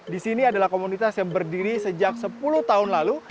di sini adalah komunitas yang berdiri sejak sepuluh tahun lalu